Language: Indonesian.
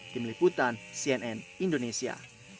tim liputan cnn indonesia